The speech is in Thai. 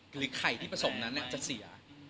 ไข่ที่ผสมนั้นจะเสีย